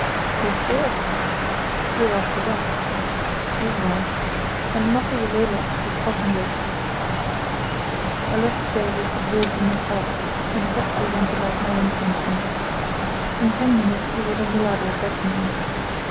"What for?" "We're after ducks." "All right. And muffle the rowlocks with cotton waste." I left Davies absorbed in the charts, and softly went about my own functions. In ten minutes he was on the ladder, beckoning.